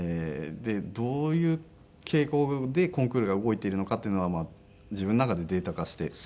でどういう傾向でコンクールが動いているのかというのは自分の中でデータ化して。